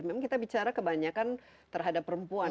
memang kita bicara kebanyakan terhadap perempuan